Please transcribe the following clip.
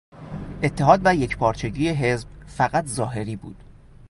اتحاد و یکپارچگی حزب فقط ظاهری بود.